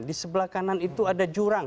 di sebelah kanan itu ada jurang